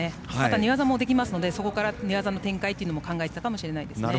寝技もできますのでそこから寝技の展開も考えていたかもしれないですね。